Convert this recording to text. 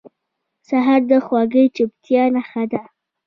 سهار د خوږې چوپتیا نښه ده.